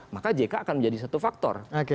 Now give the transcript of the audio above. maka jk akan menjadi satu faktor